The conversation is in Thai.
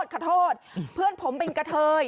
ขอโทษเพื่อนผมเป็นกะเทย